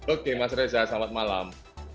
oke mas reza selamat malam